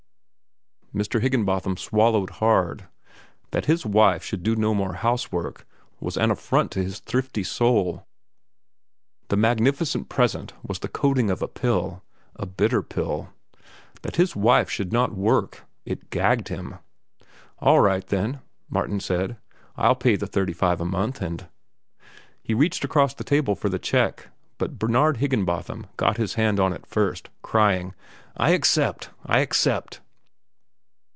Mr. Higginbotham swallowed hard. That his wife should do no more housework was an affront to his thrifty soul. The magnificent present was the coating of a pill, a bitter pill. That his wife should not work! It gagged him. "All right, then," Martin said. "I'll pay the thirty five a month, and—" He reached across the table for the check. But Bernard Higginbotham got his hand on it first, crying: "I accept! I accept!"